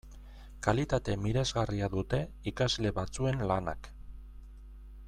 Kalitate miresgarria dute ikasle batzuen lanak.